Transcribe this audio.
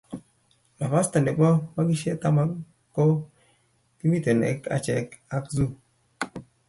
Nafasta ne bo makishe taman ko kimetien icheek ak Zoo.